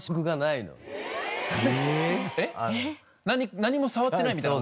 何も触ってないみたいな事？